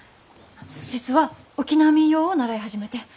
実は沖縄民謡を習い始めて。